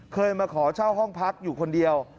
เคยมาขอเช่าห้องพักอยู่คนเดียว